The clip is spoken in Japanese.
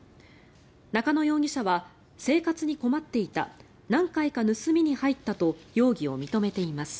中野容疑者は生活に困っていた何回か盗みに入ったと容疑を認めています。